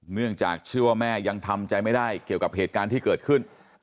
เนื่องจากเชื่อว่าแม่ยังทำใจไม่ได้เกี่ยวกับเหตุการณ์ที่เกิดขึ้น